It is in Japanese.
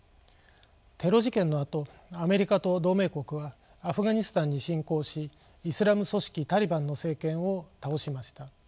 テロ事件のあとアメリカと同盟国はアフガニスタンに侵攻しイスラム組織タリバンの政権を倒しました。